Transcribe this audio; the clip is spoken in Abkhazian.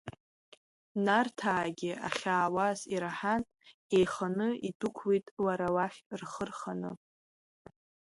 Нарҭаагьы ахьаауаз ираҳан, еиханы идәықәлеит лара лахь рхы рханы.